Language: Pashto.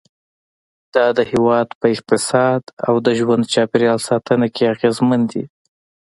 دا د هېواد په اقتصاد او د ژوند چاپېریال ساتنه کې اغیزمن دي.